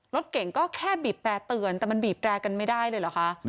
รถเก่งก็แค่บีบแต่เตือนแต่มันบีบแตรกันไม่ได้เลยเหรอคะ